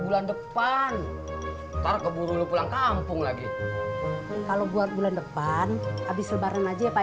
bulan depan para keburu lu pulang kampung lagi kalau buat bulan depan habis lebaran aja ya pak